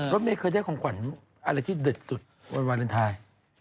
รถเมย์เคยได้ของขวัญอะไรที่เด็ดสุดวันวาเลนไทย